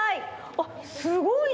あっすごい。